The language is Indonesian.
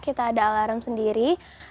kita ada alarm sendiri